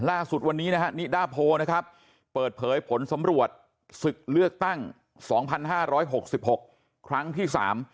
ล่าสุดวันนี้นิดาโพเปิดเผยผลสำรวจศึกเลือกตั้ง๒๕๖๖ครั้งที่๓